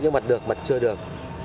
những mặt được mặt chưa được